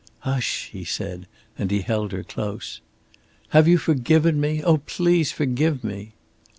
"Hush!" he said, and he held her close. "Have you forgiven me? Oh, please forgive me!"